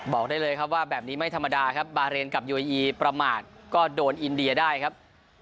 บอกได้เลยครับว่าแบบนี้ไม่ธรรมดาครับบาเรนกับยูเออีประมาทก็โดนอินเดียได้ครับ